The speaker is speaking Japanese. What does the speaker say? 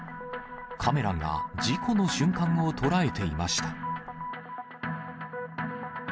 カメラが事故の瞬間を捉えていました。